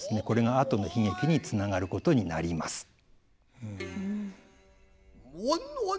これがあとの悲劇につながることになります。